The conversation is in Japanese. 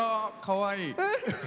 かわいい。